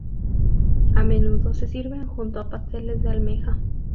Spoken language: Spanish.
A menudo se sirven junto a pasteles de almeja.